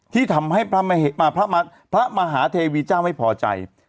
ที่ทำให้พระมหาเทวีเจ้าไม่พอใจ